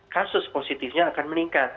kasus positifnya akan meningkat